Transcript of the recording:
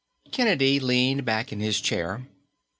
Kennedy leaned back in his chair.